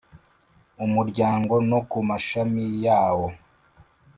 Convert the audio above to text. umuryango no ku mashami yawo.